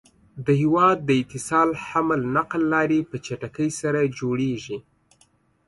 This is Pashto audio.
د هيواد د اتصال حمل نقل لاری په چټکی سره جوړيږي